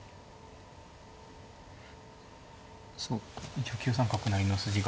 一応９三角成の筋が。